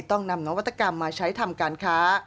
ต้องนำนวัตกรรมมาใช้ทำการค้า